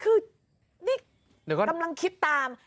คือนี่กำลังคิดตาม